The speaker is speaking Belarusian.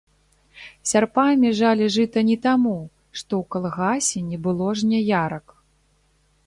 Сярпамі жалі жыта не таму, што ў калгасе не было жняярак.